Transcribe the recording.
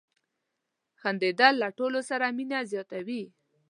• خندېدل له ټولو سره مینه زیاتوي.